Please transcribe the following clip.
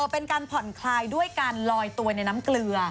เป็นการผ่อนคลายด้วยการลอยตัวในน้ำเกลือ